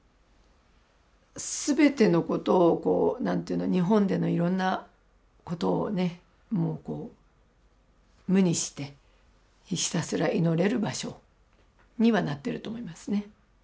全てのことをこう何ていうの日本でのいろんなことをねもう無にしてひたすら祈れる場所にはなってると思いますね。